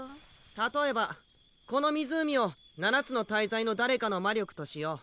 例えばこの湖を七つの大罪の誰かの魔力としよう。